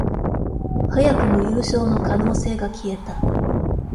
早くも優勝の可能性が消えた